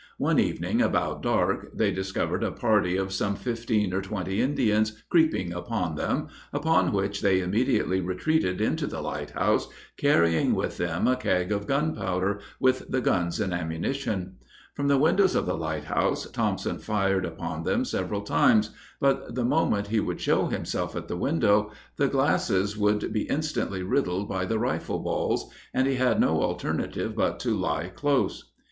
One evening about dark they discovered a party of some fifteen or twenty Indians creeping upon them, upon which they immediately retreated into the lighthouse, carrying with them a keg of gunpowder, with the guns and ammunition. From the windows of the lighthouse Thompson fired upon them several times, but the moment he would show himself at the window, the glasses would be instantly riddled by the rifle balls, and he had no alternative but to lie close.